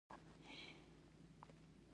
پرته له مینې، انسان یوازې پاتې کېږي.